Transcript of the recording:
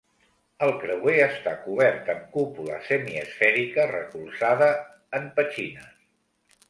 El creuer està cobert amb cúpula semiesfèrica recolzada en petxines.